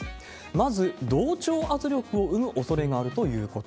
まず、同調圧力を生むおそれがあるということ。